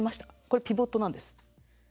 これピボットなんです。